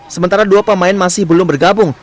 sementara dua pemain masih belum bergabung